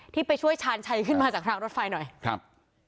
ไปช่วยชาญชัยขึ้นมาจากทางรถไฟหน่อยครับ